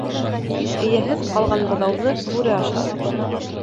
Эйәһеҙ ҡалған быҙауҙы бүре ашар.